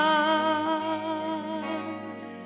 เพราะตัวฉันเพียงไม่อาทัม